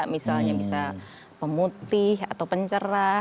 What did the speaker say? misalnya bisa pemutih atau pencerah